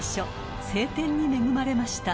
［晴天に恵まれました］